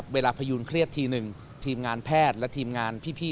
พยูนเครียดทีหนึ่งทีมงานแพทย์และทีมงานพี่